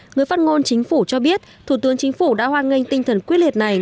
người phát ngôn chính phủ cho biết thủ tướng chính phủ đã hoan nghênh tinh thần quyết liệt này